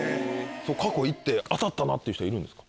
過去行って当たったなって人いるんですか？